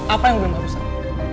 apa yang belum arusan